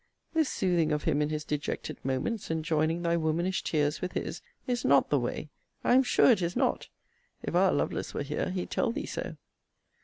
This soothing of him in his dejected moments, and joining thy womanish tears with his, is not the way; I am sure it is not. If our Lovelace were here, he'd tell thee so.